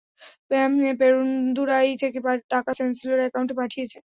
পেরুন্দুরাই থেকে টাকা সেন্থিলের অ্যাকাউন্টে পাঠিয়েছে।